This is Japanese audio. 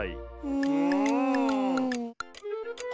うん！